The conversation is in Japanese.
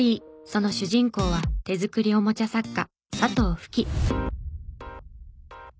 その主人公は手作りおもちゃ作家佐藤蕗。